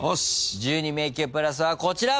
１２迷宮プラスはこちら。